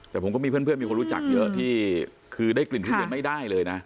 แต่ผมก็มีเพื่อนมีคนรู้จักเยอะที่คือได้กลิ่นทุเรียนไม่ได้เลยนะ